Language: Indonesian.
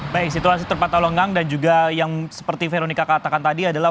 baik situasi terpantau lengang dan juga yang seperti veronica katakan tadi adalah